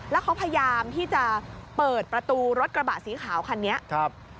แล้วเขาพยายามที่จะเปิดประตูรถกระบะสีขาวคันนี้ครับ